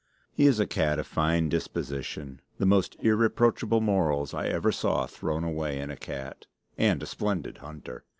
He is a cat of fine disposition, the most irreproachable morals I ever saw thrown away in a cat, and a splendid hunter.